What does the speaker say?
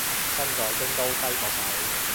身在京都揮個手